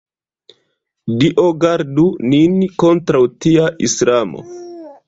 Dio gardu nin kontraŭ tia islamo!